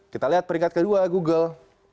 kita lihat peringkat kedua google